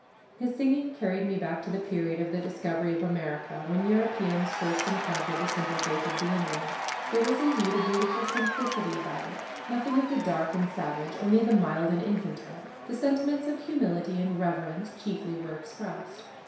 His singing carried me back to the period of the discovery of America, when Europeans first encountered the simple faith of the Indian. There was, indeed, a beautiful simplicity about it; nothing of the dark and savage, only the mild and infantile. The sentiments of humility and reverence chiefly were expressed.